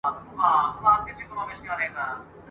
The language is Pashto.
د آرزو له پېغلو سترګو یوه اوښکه !.